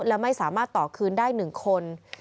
และไม่สามารถต่อคืนได้๑คน